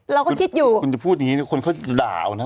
เราก็คิดอยู่จริงหรอกูพูดอย่างนี้คนเขาด่าเขานะ